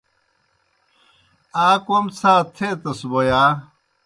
آ کوْم څھا تھیتَس بوْ یا؟